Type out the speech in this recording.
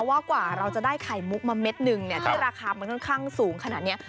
ว่ากว่าเราจะได้ไข่มุกมาเม็ดหนึ่งที่ราคามันค่อนข้างสูงขนาดนี้